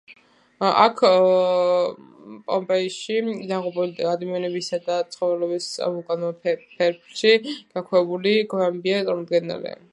აქ პომპეიში დაღუპული ადამიანებისა და ცხოველების ვულკანურ ფერფლში გაქვავებული გვამებია წარმოდგენილი.